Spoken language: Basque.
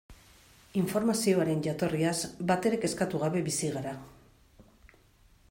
Informazioaren jatorriaz batere kezkatu gabe bizi gara.